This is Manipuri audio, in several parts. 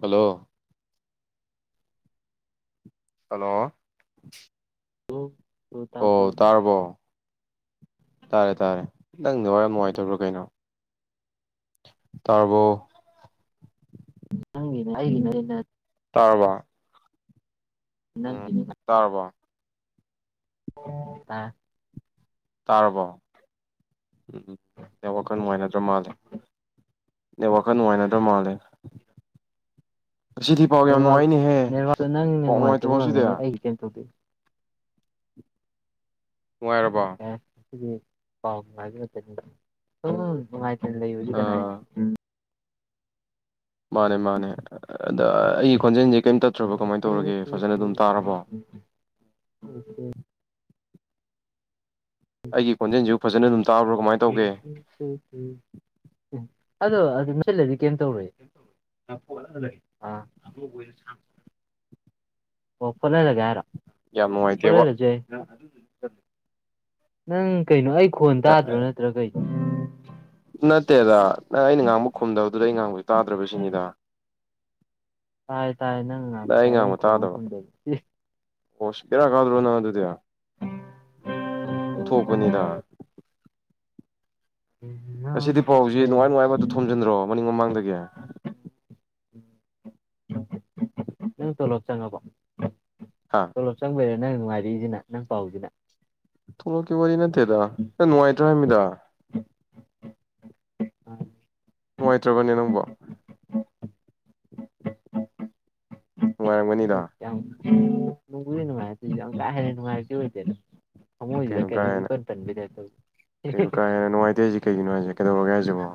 ꯍꯜꯂꯣ ꯍꯜꯂꯣ ꯍꯜꯂ ꯑꯣ ꯇꯔꯔꯕꯣ ꯇꯥꯔꯦ ꯇꯥꯔꯦ ꯅꯪꯗ ꯋꯥꯏꯔ ꯅꯨꯡꯉꯥꯏꯇꯕ꯭ꯔꯣ ꯀꯩꯅꯣ ꯇꯥꯔꯕꯣ [unintelligible] ꯇꯥꯔꯕ ꯎꯝ ꯅꯪꯒꯤꯅꯦ ꯇꯥꯔꯔꯕꯣ ꯑꯥ ꯇꯥꯔꯕꯣ ꯎꯝ ꯅꯦꯠꯋꯥꯛꯀ ꯅꯨꯡꯉꯥꯏꯅꯗ꯭ꯔ ꯃꯥꯜꯂꯦ ꯅꯦꯠꯋꯥꯛꯀ ꯅꯨꯡꯉꯥꯏꯅꯗ꯭ꯔ ꯃꯥꯜꯂꯦ ꯉꯁꯤꯗꯤ ꯄꯥꯎ ꯌꯥꯝ ꯅꯦꯠꯋꯥꯛ ꯅꯨꯡꯉꯥꯏꯅꯦꯍꯦ ꯅꯦꯠꯋꯥꯛ ꯅꯪꯅ ꯄꯥꯎ ꯅꯨꯡꯉꯥꯏꯇ꯭ꯔꯣ ꯅꯨꯡꯉꯥꯏꯇꯕ ꯉꯁꯤꯗꯤ ꯑꯣꯏꯔꯝꯒꯅꯤ ꯑꯩꯒꯤ ꯀꯩꯅꯣ ꯇꯧꯗꯣꯏ ꯅꯨꯡꯔꯕ ꯄꯥꯎꯦ ꯎ ꯂꯩꯌꯕꯁꯤ ꯀꯅꯥ ꯑꯥ ꯃꯥꯅꯦ ꯃꯥꯅꯦ ꯑꯗ ꯑꯩ ꯈꯣꯟꯖꯦꯜꯁꯤ ꯀꯩꯝ ꯇꯠꯇ꯭ꯔꯕ ꯀꯃꯥꯏꯅ ꯇꯧꯔꯒꯦ ꯐꯖꯅ ꯑꯗꯨꯝ ꯇꯥꯔꯕꯣ ꯑꯩꯒꯤ ꯀꯣꯟꯖꯦꯟ ꯖꯤ ꯐꯖꯅ ꯇꯥꯕ꯭ꯔꯣ ꯀꯃꯥꯏ ꯎ ꯇꯧꯒꯦ ꯎ ꯎ ꯎꯝ ꯎꯝ ꯑꯗꯣ ꯃꯁꯤ ꯂꯩꯔꯗꯤ ꯀꯩꯝꯇ ꯇꯧꯔꯏ ꯑꯣ ꯐꯂ ꯂꯩꯒꯦꯔꯣ ꯌꯥꯝ ꯅꯨꯡꯉꯥꯏꯇꯦꯕꯣ ꯅꯪ ꯀꯩꯅꯩꯅꯣ ꯑꯩ ꯈꯣꯟ ꯇꯥꯗ꯭ꯔꯣ ꯅꯠꯇ꯭ꯔꯥ ꯀꯩ ꯅꯠꯇꯦꯗ ꯅꯪ ꯑꯩꯅ ꯉꯥꯡꯕ ꯈꯨꯝꯗꯕꯗꯨꯗ ꯑꯩ ꯉꯥꯡꯕꯁꯨ ꯇꯥꯗ꯭ꯔꯕ ꯁꯤꯅꯤꯗ ꯇꯥꯏ ꯇꯥꯏ ꯅꯪ ꯉꯥꯡꯕ ꯇꯥꯏ ꯑꯡ ꯈꯣꯡꯃꯣꯏ ꯈꯨꯝꯗꯕ ꯑꯣꯁ ꯄꯦꯔꯥ ꯀꯥꯗ꯭ꯔꯣ ꯅꯪ ꯑꯗꯨꯗꯤ ꯎꯊꯣꯛꯄꯅꯤꯗ ꯉꯁꯤꯗꯤ ꯄꯥꯎꯁꯤ ꯅꯨꯡꯉꯥꯏ ꯅꯨꯡꯉꯥꯏꯕ ꯑꯗꯨ ꯊꯣꯝꯖꯤꯟꯗ꯭ꯔꯣ ꯃꯅꯤꯡ ꯃꯃꯥꯡꯗꯒꯤ ꯅꯪ ꯇꯣꯂꯣꯞ ꯆꯪꯉꯀꯣ ꯍꯥ ꯆꯂꯣ ꯆꯪ ꯅꯪ ꯅꯨꯡꯉꯥꯏꯔꯛꯏꯁꯤꯅ ꯅꯪ ꯄꯥꯎꯁꯤꯅ ꯊꯂꯣ ꯀ ꯋꯥꯔꯤꯅꯦ ꯗ ꯌꯥꯝ ꯅꯨꯡꯉꯥꯏ ꯇꯃꯤꯗꯥ ꯅꯨꯡꯉꯥꯏꯇ꯭ꯔꯕꯅꯦ ꯅꯪꯕꯣ ꯅꯨꯡꯉꯥꯏꯔꯝꯒꯅꯤꯗ ꯎ ꯃꯥ ꯍꯥꯏꯔꯦꯟ ꯃꯥꯥꯏꯗꯤ ꯑꯣꯏꯗꯦꯅ ꯀꯩꯅꯣ ꯀꯥ ꯍꯦꯟꯅ ꯀꯩꯅꯣ ꯀꯥ ꯍꯦꯟꯅ ꯅꯨꯡꯉꯥꯏꯇꯦꯁꯤ ꯀꯩꯒꯤꯅꯣ ꯍꯥꯏꯥꯏꯁ ꯀꯩꯗꯧꯔꯒꯦ ꯍꯥꯏꯁꯤꯕꯣ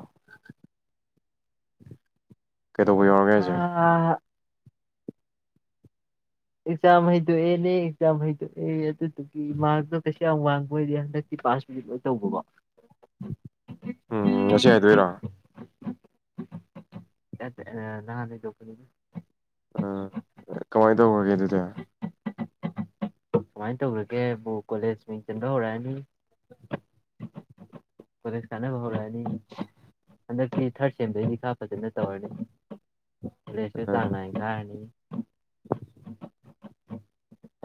ꯀꯩꯗꯧꯕ ꯌꯥꯎꯔꯒꯦ ꯍꯥꯏꯁꯦ ꯑ ꯑꯦꯛꯖꯥꯝ ꯍꯩꯗꯣꯛꯑꯦꯅꯦ ꯑꯦꯛꯖꯥꯝ ꯍꯩꯗꯣꯛꯑꯦ ꯑꯗꯨꯗꯨꯒꯤ ꯃꯥꯔꯛꯇꯣ ꯀꯩꯁꯨ ꯌꯥꯝ ꯋꯥꯡꯕꯣꯏꯔꯗꯤ ꯍꯟꯗꯛꯇꯤ ꯄꯥꯁ ꯅꯨꯅꯤꯠꯂ ꯇꯧꯕꯕꯣ ꯎꯝ ꯉ ꯍꯥꯏꯗꯣꯏꯔꯥ ꯎ ꯅꯅꯥ ꯂꯩ ꯂꯅꯤ ꯎꯝ ꯀꯃꯥꯏꯅ ꯇꯧꯈ꯭ꯔꯒꯦ ꯑꯗꯨꯗꯤ ꯀꯨꯃꯥꯏꯅ ꯇꯧꯈꯒꯦꯕꯨ ꯀꯣꯂꯦꯖ ꯃꯤꯡ ꯆꯟꯕ ꯍꯧꯔꯛꯑꯅꯤ [unintelligible] ꯀꯣꯂꯦꯖ ꯀꯥꯅꯕ ꯍꯧꯔꯛꯑꯅꯤ ꯍꯟꯗꯛꯇꯤ ꯊꯥꯔꯠ ꯁꯦꯝꯗꯗꯤ ꯈꯥ ꯐꯖꯅ ꯇꯧꯔꯅꯤ ꯄ꯭ꯂꯦꯁꯁꯨ ꯆꯥꯡꯅꯥ ꯀꯥꯏ ꯑ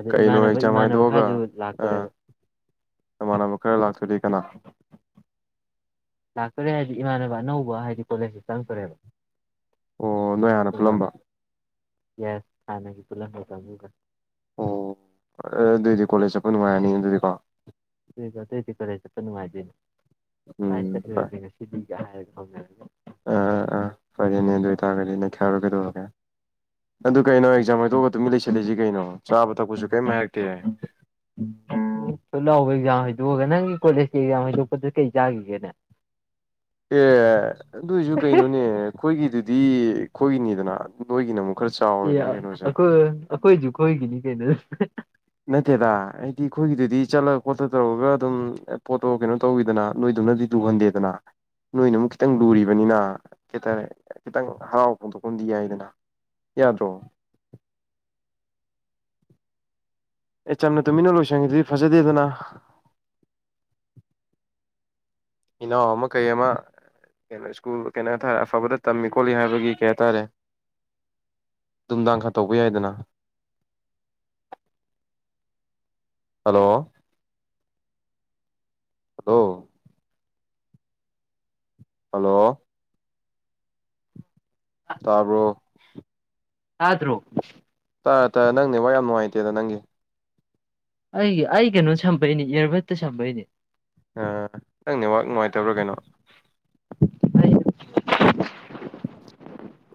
ꯀꯩꯅꯣ ꯑꯩ ꯆꯃꯥꯏꯗꯣꯛꯑꯒ ꯈꯔꯁꯨ ꯂꯥꯛꯇꯣꯔꯦꯕ ꯑꯅ ꯈꯔ ꯂꯥꯛꯆꯔꯤ ꯀꯅꯥ ꯂꯥꯛꯇꯔꯦ ꯍꯥꯏꯗꯤ ꯏꯃꯥꯟꯅꯕ ꯑꯅꯧꯕ ꯍꯥꯏꯗꯤ ꯀꯣꯂꯦꯖꯇ ꯆꯪꯈ꯭ꯔꯦꯕ ꯑꯣ ꯅꯣꯏ ꯍꯥꯟꯅ ꯄꯨꯜꯂꯝꯕ ꯌꯥꯁ ꯈꯅꯒꯤ ꯇꯂꯅꯇꯥ ꯑꯣ ꯑꯗꯨꯏꯗꯤ ꯀꯣꯂꯦꯖ ꯆꯠꯄ ꯅꯨꯡꯉꯥꯏꯔꯅꯤ ꯑꯗꯨꯗꯤꯀꯣ ꯁꯤꯀ ꯇꯦꯗꯤꯤ ꯀꯔꯁꯤꯦ ꯀꯅꯤ ꯃꯥꯥꯏꯤꯅꯦ ꯇꯥꯏ ꯎꯝ ꯆꯠ ꯑꯣꯏꯦ ꯁꯤꯗꯤ ꯌꯥ ꯊꯉ ꯑꯥ ꯑꯥ ꯐꯔꯦꯅꯦ ꯑꯗꯨ ꯑꯣꯏꯇꯥꯔꯒꯗꯤ ꯅꯩꯈꯥꯏꯔꯣ ꯀꯩꯗꯧꯔꯒꯦ ꯑꯗꯨ ꯀꯩꯅꯣ ꯑꯦꯛꯖꯥꯝ ꯍꯥꯏꯗꯣꯛꯑꯒ ꯑꯗꯨꯨꯃꯤ ꯂꯩꯁꯜꯂꯤꯁꯤ ꯀꯩꯅꯣ ꯆꯥꯕ ꯊꯛꯄꯁꯨ ꯀꯔꯤꯝ ꯍꯥꯏꯔꯛꯇꯦ ꯠ ꯂꯥꯎꯕ ꯑꯦꯛꯖꯥꯝ ꯍꯩꯗꯣꯛꯑꯒ ꯅꯪꯒꯤ ꯀꯣꯂꯦꯖꯀꯤ ꯑꯦꯛꯖꯥꯝ ꯍꯗꯣꯛꯄꯗꯨ ꯀꯩ ꯆꯥꯈꯤꯒꯦꯅꯦ ꯑꯦ ꯑꯗꯨꯨꯏꯁꯨꯨ ꯀꯩꯅꯅꯦ ꯑꯩꯈꯣꯏꯒꯤꯗꯨꯗꯤ ꯑꯩꯈꯣꯏꯒꯤꯅꯤꯗꯅ ꯅꯣꯏꯒꯤꯅ ꯑꯃꯨꯛ ꯈꯔ ꯆꯥꯎꯔꯦꯗꯅ ꯀꯩꯅꯣꯁꯦ ꯑꯈꯣꯏ ꯑꯈꯣꯏꯖꯀ ꯑꯩꯣꯏꯒꯤꯅꯤ ꯀꯩꯅꯣ ꯅꯠꯇꯦꯗ ꯍꯥꯏꯗꯤ ꯑꯩꯈꯣꯏꯒꯤꯗꯨꯗꯤ ꯆꯠꯂꯒ ꯈꯣꯠꯠꯇ ꯇꯧꯔꯒ ꯑꯗꯨꯝ ꯄꯣꯠꯇꯣ ꯀꯩꯅꯣ ꯇꯧꯋꯤꯗꯅ ꯅꯣꯏꯗꯨꯅꯗꯤ ꯂꯨꯍꯟꯗꯦꯗꯅ ꯅꯣꯏꯅ ꯑꯃꯨꯛ ꯈꯤꯇꯪ ꯂꯨꯔꯤꯕꯅꯤꯅ ꯀꯩ ꯍꯥꯏꯇꯥꯔꯦ ꯈꯤꯇꯪ ꯍꯔꯥꯎ ꯐꯣꯡꯗꯣꯛꯐꯝꯗꯤ ꯌꯥꯏꯗꯅ ꯌꯥꯗ꯭ꯔꯣ ꯑꯦ ꯆꯝꯅ ꯇꯨꯃꯤꯟꯅ ꯂꯣꯏꯁꯪꯈꯤꯗꯨꯗꯤ ꯐꯖꯗꯦꯗꯅ ꯏꯅꯥꯎ ꯑꯃ ꯀꯩ ꯑꯃ ꯀꯩꯅꯣ ꯁ꯭ꯀꯨꯜ ꯀꯩꯅꯣ ꯍꯥꯏꯇꯥꯔꯦ ꯑꯐꯕꯗ ꯇꯝꯃꯤ ꯈꯣꯠꯂꯤ ꯍꯥꯏꯕꯒꯤ ꯀꯩ ꯍꯥꯏꯇꯥꯔꯦ ꯅꯨꯡꯗꯥꯡ ꯈꯔ ꯇꯧꯕ ꯌꯥꯏꯗꯅ ꯍꯜꯂꯣ ꯍꯂꯣ ꯍꯜꯂꯣ ꯇꯥꯕ꯭ꯔꯣ ꯇꯗ꯭ꯔꯣ ꯇꯥꯔꯦ ꯇꯥꯔꯦ ꯅꯪ ꯅꯦꯠꯅ ꯌꯥꯝ ꯅꯨꯡꯉꯥꯏꯇꯦꯗ ꯅꯪꯒꯤ ꯑꯩꯒꯤ ꯑꯩ ꯀꯩꯅꯣ ꯁꯝꯕꯩꯅꯦ ꯏꯌꯔꯚꯠꯇ ꯁꯝꯕꯩꯅꯦ ꯅꯪ ꯅꯦꯠꯋꯥꯛ ꯅꯨꯡꯉꯥꯏꯇꯕ꯭ꯔꯥ ꯀꯩꯅꯣ ꯑꯩ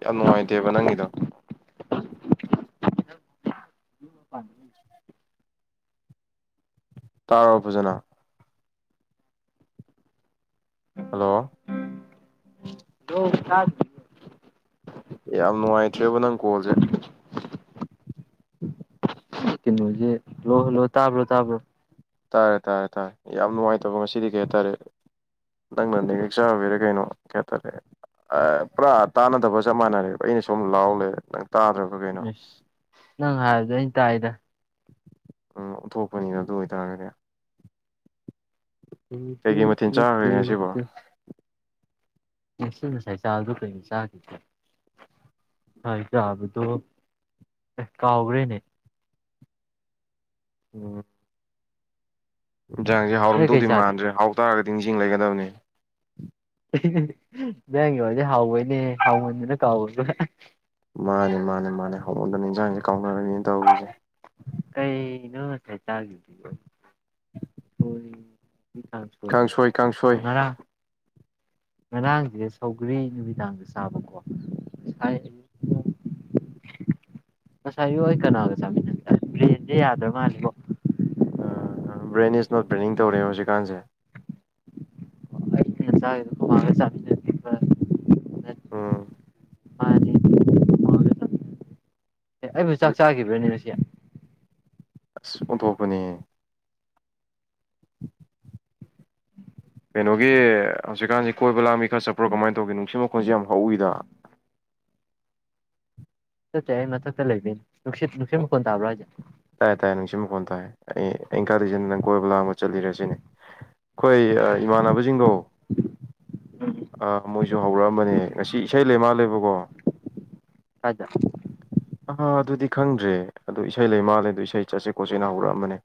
ꯌꯥꯝ ꯅꯨꯡꯉꯥꯏꯇꯦꯕ ꯅꯪꯒꯤꯗꯣ [inaudible] ꯇꯥꯔꯕꯣ ꯐꯖꯅꯥ ꯍꯜꯂꯣ ꯍ ꯊ [unintelligible] ꯌꯥꯝ ꯅꯨꯡꯉꯥꯏꯇ꯭ꯔꯦꯕꯣ ꯅꯪ ꯀꯣꯜꯁꯦ ꯦ ꯂꯣꯍ ꯂꯣ ꯇꯥꯕ ꯂꯣ ꯇꯥꯕ ꯂꯣ [unintelligible] ꯇꯥꯔꯦ ꯇꯥꯔꯦ ꯇꯥꯔꯦ ꯌꯥꯝ ꯅꯨꯡꯉꯥꯏꯇꯕ ꯉꯁꯤꯗꯤ ꯀꯩ ꯍꯥꯏꯇꯥꯔꯦ ꯅꯪꯅ ꯅ ꯍꯦꯛꯆꯕꯤꯔꯦ ꯀꯩꯅꯣ ꯀꯩ ꯍꯥꯏꯇꯥꯔꯦ ꯄꯨꯔꯥ ꯇꯥꯟꯅꯗꯕ ꯆꯞ ꯃꯥꯟꯅꯔꯦꯕ ꯑꯩꯅ ꯁꯨꯝ ꯂꯥꯎ ꯂꯩꯔꯦ ꯅꯪ ꯇꯥꯗ꯭ꯔꯕ ꯀꯩꯅꯣ ꯏꯁꯁ ꯅꯪ ꯍꯥꯏꯕꯗ ꯑꯩꯅ ꯇꯥꯏꯗ ꯎꯝ ꯑꯣꯟꯊꯣꯛꯄꯅꯤꯗ ꯑꯗꯨ ꯑꯣꯏꯇꯥꯔꯒꯗꯤ ꯎ ꯀꯩꯀꯩ ꯃꯊꯦꯜ ꯇ ꯆꯥꯈ꯭ꯔꯒꯦ ꯉꯁꯤꯕꯣ ꯇ [unintelligible] ꯌꯦꯁꯤ ꯉ ꯁꯥꯏ ꯆꯥꯕꯗ ꯀꯩꯅꯣ ꯆꯥꯈꯤꯒꯦ ꯉꯁꯥꯏ ꯆꯥꯕꯗꯣ ꯑꯦ ꯀꯥꯎꯈ꯭ꯔꯦꯅꯦ ꯎꯝ ꯏꯟꯖꯥꯡꯁꯦ ꯅꯣꯏ ꯀꯩ ꯍꯥꯎꯔꯝꯗꯧꯗꯤ ꯆꯥꯒꯦ ꯃꯥꯟꯗ꯭ꯔꯦ ꯍꯥꯎꯇꯥꯔꯒꯗꯤ ꯅꯤꯡꯁꯤꯡ ꯂꯩꯒꯗꯕꯅꯦ ꯏꯟꯁꯥꯡꯒꯤ ꯋꯥꯗꯤ ꯍꯥꯎꯕꯩꯅꯦ ꯍꯥꯎꯃꯟꯗꯅ ꯀꯥꯎꯕ ꯃꯥꯅꯦ ꯃꯥꯅꯦ ꯃꯥꯅꯦ ꯍꯥꯎꯃꯟꯗꯅ ꯏꯟꯁꯥꯡꯁꯦ ꯀꯥꯎꯅꯔꯤꯅꯤꯅꯦ ꯇꯧꯔꯤꯁꯦ ꯀꯩ ꯅꯁꯦ ꯆꯥ [unintelligible] ꯅꯦꯕ ꯀꯥꯡꯁꯣꯏ ꯀꯥꯡꯁꯣꯏ ꯍꯣꯡꯅꯔꯥ [unintelligible] ꯉꯔꯥꯡꯁꯦ ꯁꯧꯈꯒꯔꯤ ꯅꯨꯃꯤꯗꯥꯡꯗ ꯆꯥꯕꯀꯣ ꯉꯁꯥꯏ ꯑꯌꯨꯛ ꯑꯩ ꯀꯅꯥꯒ ꯆꯥꯃꯤꯟꯅꯦ ꯕ꯭ꯔꯦꯟꯁꯦ ꯌꯥꯗ꯭ꯔ ꯃꯥꯜꯂꯤꯕꯣ ꯕ꯭ꯔꯦꯟ ꯏꯁ ꯅꯣꯠ ꯕ꯭ꯔꯦꯟꯅꯤꯡꯡ ꯇꯧꯔꯦ ꯍꯧꯖꯤꯛꯀꯥꯟꯁꯦ ꯑꯩ ꯆꯉ ꯆ [unintelligible] ꯎ [inaudible] ꯎꯝ ꯃꯥꯟꯅꯦ ꯑꯦ ꯑꯩꯕꯨ ꯆꯥꯛ ꯆꯥꯈꯤꯕ꯭ꯔꯅꯦ ꯉꯁꯤ ꯑꯁ ꯑꯣꯟꯊꯣꯛꯄꯅꯤꯍꯦ ꯀꯩꯅꯣꯒꯤ ꯍꯧꯖꯤꯛꯀꯥꯟꯁꯤ ꯀꯣꯏꯕ ꯂꯥꯡꯕꯤ ꯈꯔ ꯆꯠꯄ꯭ꯔꯣ ꯀꯃꯥꯏꯅ ꯇꯧꯒꯦ ꯅꯨꯡꯁꯤꯠ ꯃꯈꯣꯜꯁꯦ ꯌꯥꯝ ꯍꯧꯏꯗ ꯆꯠꯇꯦ ꯑꯩ ꯃꯊꯛꯇ ꯂꯩꯕꯩꯅꯤ ꯅꯨꯡꯁꯤꯠ ꯅꯨꯡꯁꯤꯠ ꯃꯈꯣꯟ ꯇꯥꯕ꯭ꯔꯥ ꯍꯥꯏꯁꯦ ꯑꯩ ꯑꯩ ꯏꯪꯀꯥ ꯂꯩꯁꯤꯗ ꯅꯪ ꯀꯣꯏꯕ ꯂꯥꯡꯕ ꯆꯠꯂꯤꯔꯁꯤꯅꯦ ꯑꯩꯈꯣꯏ ꯏꯃꯥꯟꯅꯕꯁꯤꯡꯗꯣ ꯃꯣꯏꯁꯨ ꯍꯧꯔꯛꯑꯝꯕꯅꯦ ꯉꯁꯤ ꯏꯁꯩ ꯂꯩꯃꯥꯜꯂꯦꯕꯀꯣ ꯀꯥꯏꯗ ꯑꯥ ꯑꯗꯨꯗꯤ ꯈꯪꯗ꯭ꯔꯦ ꯑꯗꯨ ꯏꯁꯩ ꯂꯩ ꯃꯥꯜꯂꯦ ꯑꯗꯣ ꯏꯁꯩ ꯆꯠꯁꯦ ꯈꯣꯠꯁꯦꯅ ꯍꯧꯔꯛꯑꯝꯕꯅꯦ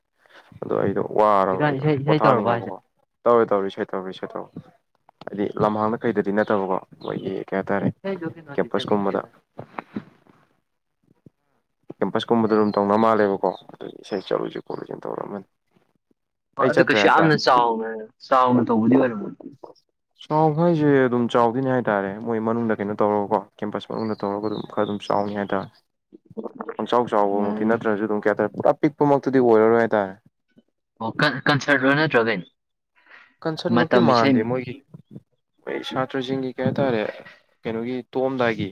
ꯑꯗꯣ ꯑꯩꯗꯣ ꯋꯥꯔꯕ ꯍꯧꯖꯤꯛꯀꯥꯟ ꯑꯩꯗꯣ ꯏꯁꯩ ꯏꯁꯩ ꯇꯧꯔꯕ ꯍꯥꯏꯁꯦ ꯄꯣꯊꯥꯅꯤꯡꯉꯕꯀꯣ ꯇꯧꯋꯦ ꯇꯧꯔꯦ ꯇꯧꯔꯦ ꯇꯧꯔꯤ ꯂꯝꯍꯥꯡꯗ ꯀꯩꯗꯗꯤ ꯅꯠꯇꯕꯀꯣ ꯈꯣꯏꯒꯤ ꯀꯩ ꯍꯥꯏꯇꯥꯔꯦ ꯏꯁꯩꯗꯣ ꯀꯩꯅꯣꯗꯤ ꯀꯦꯝꯄꯁ ꯀꯨꯝꯕꯗ ꯆꯠꯅꯤꯡꯗꯦꯗ ꯀꯦꯝꯄꯁ ꯀꯨꯝꯕꯗ ꯑꯗꯨꯝ ꯇꯧꯅ ꯃꯥꯜꯂꯦꯕ ꯀꯣ ꯑꯗꯨꯗꯤ ꯏꯁꯩ ꯆꯠꯂꯨꯁꯤ [unintelligible] ꯇꯧꯔꯝꯃꯅꯤ ꯑꯣ ꯑꯗꯨ ꯀꯩꯁꯨ ꯌꯥꯝꯅ ꯆꯥꯎꯅ ꯆꯥꯎꯅ ꯇꯧꯕꯗꯤ ꯑꯣꯏꯔꯝꯃꯣꯏ ꯆꯥꯎꯈ ꯍꯥꯏꯁꯦ ꯑꯗꯨꯝ ꯆꯥꯎꯗꯤꯅꯦ ꯍꯥꯏꯇꯥ ꯔꯦ ꯃꯣꯏ ꯃꯅꯨꯡꯗ ꯀꯩꯅꯣ ꯇꯧꯔꯒꯀꯣ ꯀꯦꯝꯄꯁ ꯃꯅꯨꯡꯗ ꯇꯧꯔꯒ ꯑꯗꯨꯝ ꯈꯔ ꯑꯗꯨꯝ ꯆꯥꯎꯅꯤ ꯍꯥꯏꯇꯥꯔꯦ ꯄꯪꯆꯥꯎ ꯆꯥꯎꯕꯃꯨꯛꯇꯤ ꯎꯝ ꯅꯠꯇ꯭ꯔꯅꯁꯨ ꯑꯗꯨꯝ ꯀꯩ ꯍꯇꯥꯔꯦ ꯄꯨ ꯄꯤꯛꯄꯃꯛꯇꯨꯗꯤ ꯑꯣꯏꯔꯔꯣꯏ ꯍꯥꯏꯇꯥꯔꯦ ꯑꯣ ꯀꯟ ꯀꯟꯁꯔꯠ ꯂꯣ ꯅꯠꯇ꯭ꯔ ꯀꯩꯅꯣ ꯀꯟꯁꯔꯠꯃꯛꯇꯤ ꯃꯇꯝ ꯏꯁꯩ ꯃꯥꯟꯗꯦ ꯃꯣꯏꯒꯤ ꯀꯩ ꯁꯥꯇ꯭ꯔꯁꯤꯡꯒꯤ ꯀꯩ ꯍꯥꯏꯇꯥꯔꯦ ꯀꯩꯅꯣꯒꯤ ꯇꯣꯛꯑꯝꯗꯥꯏꯒꯤ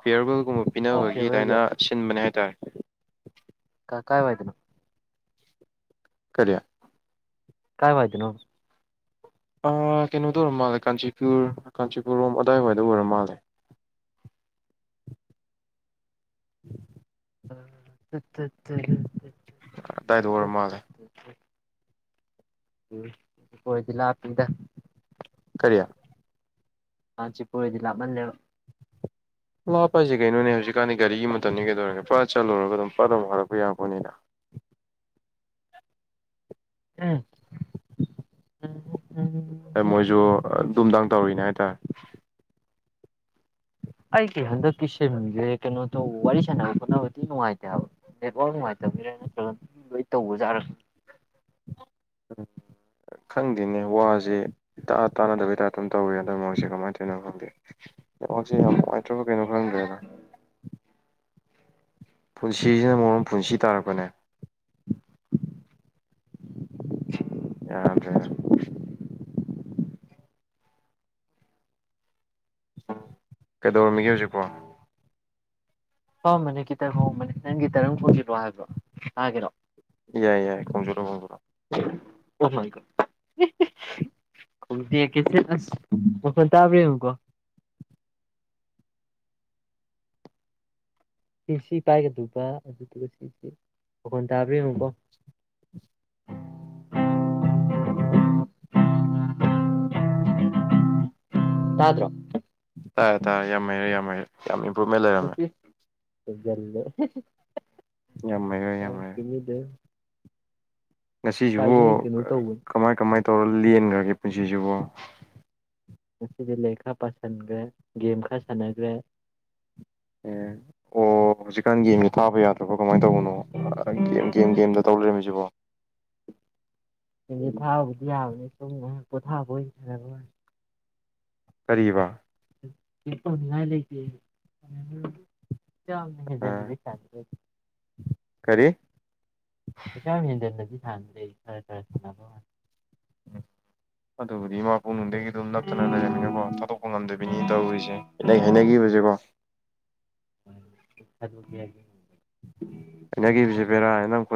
ꯐꯤꯌꯔ ꯋꯦꯜꯒꯨꯝꯕ ꯑꯣ ꯄꯤꯅꯕꯒꯤ ꯐꯤꯌꯔꯋꯦꯜꯒꯤ ꯑꯗꯨꯃꯥꯏꯅ ꯁꯤꯟꯕꯅꯦ ꯍꯥꯏ ꯇꯔ ꯀ ꯀꯥꯏ ꯋꯥꯏꯔꯗꯅꯣ ꯀꯔꯤ ꯀꯥꯏ ꯋꯥꯥꯏꯇꯅꯣ ꯑꯥ ꯀꯩꯅꯣꯗ ꯑꯣꯏꯔꯝ ꯃꯥꯜꯂꯦ ꯀꯥꯟꯆꯤꯄꯨꯔ ꯀꯥꯟꯆꯤꯄꯨꯔꯔꯣꯝ ꯑꯗꯥꯏꯋꯥꯏꯗ ꯑꯣꯏꯔꯝ ꯃꯥꯜꯂꯦ ꯎ [unintelligible] ꯑꯗꯥꯏꯗ ꯑꯣꯏꯔ ꯃꯥꯜꯂꯦ [inaudible] ꯎꯝ ꯀꯣꯏꯗꯤ ꯂꯥꯛꯄꯤꯗ ꯀꯔꯤ ꯀꯥꯟꯆꯤꯄꯨꯔ ꯑꯣꯏꯗꯤ ꯂꯞꯃꯜꯂꯦꯕ ꯂꯥꯞꯄ ꯍꯥꯏꯁꯦ ꯀꯩꯅꯣꯅꯦ ꯍꯧꯖꯤꯛꯀꯥꯟꯗꯤ ꯒꯥꯔꯤꯒꯤ ꯃꯇꯝꯅꯤ ꯀꯩꯗꯧꯔꯒꯦ ꯄ꯭ꯔꯥ ꯆꯠꯂꯨꯔꯒ ꯑꯗꯨꯝ ꯄ꯭ꯔꯞ ꯄ꯭ꯔꯞ ꯋꯥꯔꯛꯄ ꯌꯥꯄꯅꯤꯅ ꯎꯝ ꯃꯣꯏꯁꯨ ꯗꯨꯝꯗꯥꯡ ꯇꯧꯔꯤꯅꯦ ꯍꯥꯏꯇꯥꯔꯦ ꯑꯩꯒꯤ ꯍꯟꯗꯛꯀꯤ ꯁꯤꯝꯁꯦ ꯀꯩꯅꯣ ꯇꯧ ꯋꯥꯔꯤ ꯁꯥꯟꯅꯕ ꯈꯣꯠꯅꯕ ꯊꯤ ꯅꯨꯡꯉꯥꯏꯇꯦ ꯍꯥꯏꯕ ꯅꯦꯠꯋꯥꯛ ꯅꯨꯡꯉꯥꯏꯇꯕꯤꯔ ꯅꯠꯇ꯭ꯔꯒ ꯂꯣꯏ ꯇꯧꯕꯖꯥꯔ ꯈꯪꯗꯦꯅꯦ ꯋꯥꯁꯦ ꯏꯇꯥ ꯇꯥꯅꯗꯕꯩ ꯇꯥꯏꯞ ꯑꯗꯨꯝ ꯇꯧꯋꯦ ꯍꯟꯗꯛ ꯃꯔꯁꯦ ꯀꯃꯥꯏꯅ ꯇꯧꯅꯣ ꯈꯪꯗꯦ ꯅꯦꯋꯥꯛꯁꯦ ꯌꯥꯝ ꯅꯨꯡꯉꯥꯏꯇ꯭ꯔꯕ ꯀꯩꯅꯣ ꯈꯪꯗꯦꯗ ꯄꯨꯟꯁꯤꯁꯤꯅ ꯃꯔꯣꯝ ꯄꯨꯟꯁꯤ ꯇꯥꯔꯕꯅꯦ [inaudible] ꯌꯥꯗ꯭ꯔꯦ ꯀꯩꯗꯧꯔꯝꯃꯤꯒꯦ ꯍꯧꯖꯤꯛꯄꯣ ꯄꯥꯝꯕꯅꯤ ꯈꯤꯇꯪ ꯍꯣꯡꯕꯅꯦ ꯅꯪꯒꯤ ꯇꯔꯪ ꯐꯣꯡꯁꯤꯜꯂꯣ ꯍꯥꯏꯕ꯭ꯔꯣ ꯀꯒꯤꯅꯣ ꯌꯥꯏ ꯌꯥꯏ ꯀꯝꯖꯣꯔꯣ ꯀꯝꯖꯣꯔꯣ ꯋꯥꯁ ꯋꯥꯜ ꯇꯥꯕ꯭ꯔ ꯑꯃꯨꯀꯣ ꯁꯤꯁꯤ ꯄꯥꯏꯒꯗꯕ ꯑꯗꯨꯗꯨꯒ ꯁꯤꯁꯤ ꯋꯥꯈꯣꯟ ꯇꯥꯕ ꯌꯦꯡꯉꯨꯀꯣ [inaudible] ꯇꯥꯗ꯭ꯔꯣ ꯇꯥꯏꯔꯦ ꯇꯥꯔꯦ ꯌꯥꯝꯍꯩꯔꯦ ꯌꯥꯝꯍꯩꯔꯦ ꯌꯥꯝ ꯏꯝ ꯄ꯭ꯔꯨꯞꯃꯦ ꯂꯩꯔꯝꯃꯦ ꯍꯥꯏꯖꯜꯂꯦ ꯌꯥꯝꯍꯩꯔꯦ ꯌꯥꯝꯍꯩꯔꯦ ꯉꯁꯤꯁꯤꯕꯨ ꯉꯁꯥꯏꯗꯩ ꯑꯩ ꯀꯩꯅꯣ ꯇꯧꯕꯅꯤ ꯀꯃꯥꯏ ꯀꯃꯥꯏ ꯇꯧꯔ ꯂꯦꯟꯈ꯭ꯔꯒꯦ ꯄꯨꯟꯁꯤꯁꯤꯕꯨꯣ ꯉꯗꯤ ꯂꯥꯏꯔꯤꯛ ꯈꯔ ꯄꯥꯁꯤꯟꯈ꯭ꯔꯦ ꯒꯦꯝ ꯈꯔ ꯁꯥꯟꯅꯈ꯭ꯔꯦ ꯑꯦ ꯑꯣ ꯍꯧꯖꯤꯛꯀꯥꯟꯒꯤꯃꯤ ꯊꯥꯕꯩꯔ ꯑꯄꯣ ꯀꯃꯥꯏꯅ ꯇꯧꯕꯅꯣ ꯒꯦꯝ ꯒꯦꯝ ꯒꯦꯝꯗ ꯇꯧ ꯂꯩꯔꯝꯃꯤꯁꯤꯕꯣ ꯊꯥꯕꯨꯗꯤ ꯌꯥꯕꯅꯦ ꯁꯨꯝ ꯉ ꯄꯣꯊꯥꯕ ꯑꯣꯏꯅꯔ ꯇꯔꯤꯕ ꯉꯏ ꯂꯩꯇ ꯌꯥꯝ ꯑꯥ ꯍꯦꯟꯖꯟꯅꯗꯤ ꯇꯜꯂꯤ ꯀꯔꯤ ꯄꯩꯁꯥ ꯌꯥꯝ ꯍꯦꯟꯖꯟꯟꯅꯗꯤ ꯁꯥꯟꯅꯗꯦ ꯈꯔ ꯈꯔ ꯁꯥꯟꯅꯕ ꯋꯥꯅꯤ ꯑꯗꯨꯕꯨꯗꯤ ꯏꯄꯛꯅꯨꯡꯗꯒꯤ ꯑꯗꯨꯝ ꯅꯞꯠꯇꯅ ꯂꯩꯔꯝꯃꯤꯅꯀꯣ ꯊꯥꯠꯇꯣꯛꯄ ꯉꯝꯗꯣꯏꯕꯤꯅꯤꯅ ꯇꯧꯔꯤꯁꯦꯩꯅ ꯍꯥꯏꯅꯈꯤꯕꯁꯦꯀꯣ ꯑꯗꯨꯅꯦ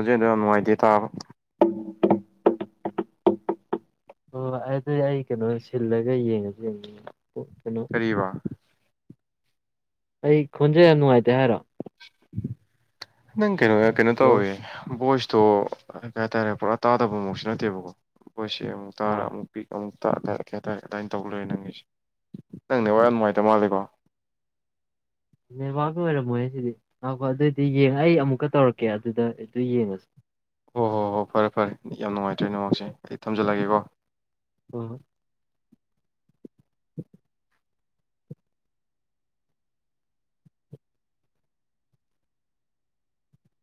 ꯑꯗꯨ ꯌꯥꯝ ꯅꯨꯡꯉꯥꯏꯇꯦ ꯇꯥꯎ [unintelligible] ꯑꯣ ꯑꯗꯨꯗꯤ ꯑꯩ ꯀꯩꯅꯣ ꯁꯤꯜꯂꯒ ꯌꯦꯡꯉꯁꯤ ꯌꯦꯡꯅꯤꯡ ꯀꯔꯤ ꯋꯥ ꯑꯩ ꯈꯣꯟꯖꯦꯜ ꯌꯥꯝ ꯅꯨꯡꯉꯥꯏꯇꯦ ꯍꯥꯏꯔꯣ ꯅꯪ ꯀꯩꯅꯣ ꯀꯩꯅꯣ ꯍꯜꯂꯣ ꯇꯧꯋꯦ ꯣ ꯑꯣ ꯀꯩ ꯍꯥꯏꯇꯥꯔꯦ ꯄꯨꯔꯥ ꯇꯥꯗꯕ ꯃꯛꯁꯨ ꯅꯠꯇꯦꯕꯀꯣ ꯄꯈꯣꯏꯁꯤ ꯑꯃꯨꯛ ꯇꯔ ꯑꯥ ꯑꯃꯨꯛ ꯄꯤꯛ ꯑꯃꯨꯛ ꯀꯦ ꯇꯔꯦ ꯑꯗꯨꯃꯥꯏꯅ ꯇꯧ ꯂꯣꯏꯔꯦ ꯅꯪꯒꯤꯁꯦ ꯅꯪꯅꯦ ꯋꯥꯔꯤ ꯌꯥꯝ ꯅꯨꯡꯉꯥꯏꯇ ꯃꯥꯂꯦꯀꯣ ꯅꯦꯠꯋꯥꯛ ꯑꯣꯏꯔꯝꯃꯣꯏ ꯑꯩ ꯁꯤꯗꯤ ꯂꯥꯛ ꯑꯗꯨꯑꯣꯏꯗꯤ ꯌꯦꯡꯉ ꯑꯩ ꯑꯃꯨꯛꯀ ꯇꯧꯔꯛꯀꯦ ꯑꯗꯨꯗ ꯑꯗꯨ ꯌꯦꯡꯉꯁꯤ ꯍꯣꯏ ꯍꯣꯏ ꯍꯣꯏ ꯐꯔꯦ ꯐꯔꯦ ꯌꯥꯝ ꯅꯨꯡꯉꯥꯏꯇ꯭ꯔꯦ ꯅꯣꯡꯃꯃꯛꯁꯦ ꯑꯩ ꯊꯝꯖꯜꯂꯒꯦꯀꯣ ꯎꯝ [unintelligible] [inaudible]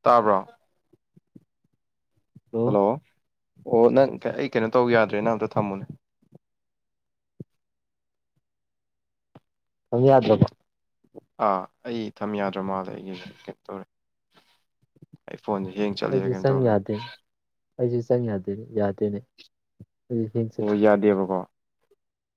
ꯇꯥꯕ꯭ꯔꯣ ꯍꯜꯂꯣ ꯑꯣ ꯅꯪ ꯑꯩ ꯀꯩꯅꯣ ꯇꯧ ꯌꯥꯗ꯭ꯔꯦꯅ ꯑꯝꯇ ꯊꯝꯃꯨꯅꯦ ꯊꯝ ꯌꯥꯗꯔꯥꯕꯣ ꯑꯥ ꯑꯩ ꯊꯝ ꯌꯥꯗ꯭ꯔ ꯃꯥꯜꯗ ꯑꯩꯒꯤ ꯀꯩꯅ ꯇꯧꯔꯦ ꯐꯣꯟꯗꯦ ꯍꯡ ꯆꯠꯂꯦ ꯀꯩꯅꯣ ꯇꯧꯔꯦ ꯑꯩꯁꯨꯦ ꯆꯪ ꯌꯥꯗꯦꯅꯦ ꯌꯥꯗꯦꯅꯦ ꯑꯩ ꯍꯦꯡ ꯆꯠ ꯑꯣ ꯌꯥꯗꯦꯕꯀꯣ